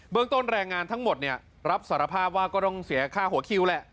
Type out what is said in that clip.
ต้นแรงงานทั้งหมดเนี่ยรับสารภาพว่าก็ต้องเสียค่าหัวคิวแหละ